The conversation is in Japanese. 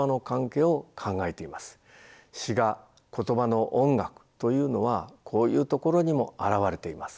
詩が言葉の音楽というのはこういうところにも表れています。